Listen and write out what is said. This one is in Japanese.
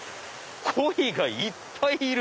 鯉がいっぱいいる！